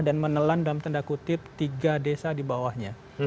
dan menelan dalam tanda kutip tiga desa di bawahnya